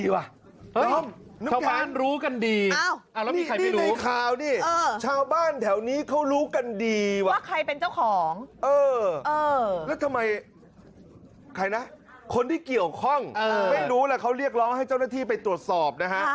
เวลาเขาเรียกร้องให้เจ้าหน้าที่ไปตรวจสอบนะฮะ